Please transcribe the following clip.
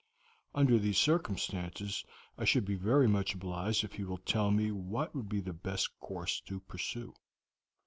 Under these circumstances I should be very much obliged if you will tell me what would be the best course to pursue.